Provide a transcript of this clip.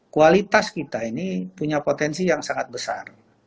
kualitas kita ini punya potensi yang sangat besar